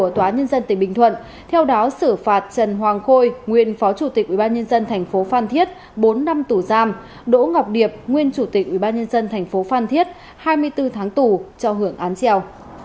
tòa nhân dân tỉnh bình thuận theo đó xử phạt trần hoàng khôi nguyên phó chủ tịch ubnd tp phan thiết bốn năm tù giam đỗ ngọc điệp nguyên chủ tịch ubnd tp phan thiết hai mươi bốn tháng tù cho hưởng án treo